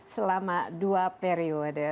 selama dua periode